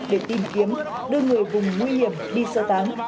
để tìm kiếm đưa người vùng nguy hiểm đi sơ tán